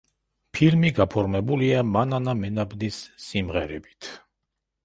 ფილმი გაფორმებულია მანანა მენაბდის სიმღერებით.